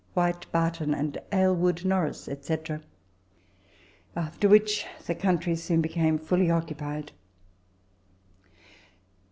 Whyte, Barton and Aylward, Norris, &c., after which the country soon became fully occupied.